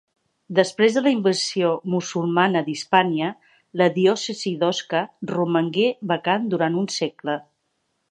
Després de la invasió musulmana d'Hispània, la diòcesi d'Osca romangué vacant durant un segle.